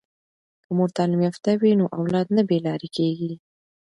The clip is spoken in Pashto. که مور تعلیم یافته وي نو اولاد نه بې لارې کیږي.